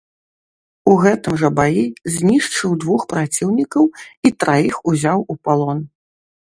У гэтым жа баі знішчыў двух праціўнікаў і траіх узяў у палон.